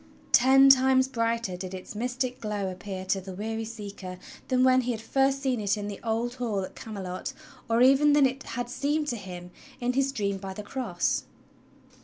Ten times brighter did its mystic glow appear to the weary seeker than when he had first seen it in the old hall at Camelot, or even than it had seemed to him in his dream by the cross.